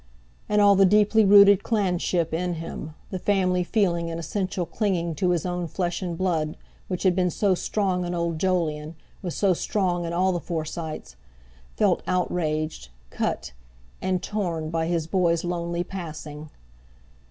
And all the deeply rooted clanship in him, the family feeling and essential clinging to his own flesh and blood which had been so strong in old Jolyon was so strong in all the Forsytes—felt outraged, cut, and torn by his boy's lonely passing.